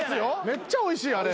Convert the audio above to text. めっちゃおいしいあれ。